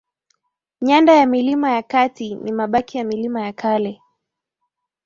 Nyanda ya milima ya kati ni mabaki ya milima ya kale